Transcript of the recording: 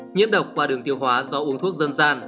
nhiễm độc qua đường tiêu hóa do uống thuốc dân gian